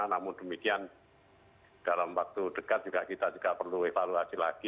namun demikian dalam waktu dekat kita juga perlu evaluasi lagi